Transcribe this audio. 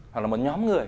hoặc là một nhóm người